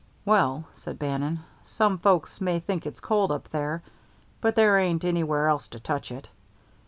"Well," said Bannon, "some folks may think it's cold up there, but there ain't anywhere else to touch it.